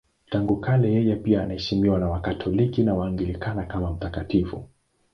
Tangu kale yeye pia anaheshimiwa na Wakatoliki na Waanglikana kama mtakatifu.